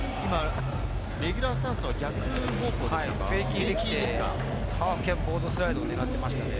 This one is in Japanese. レギュラースタンスの逆方向でしたか。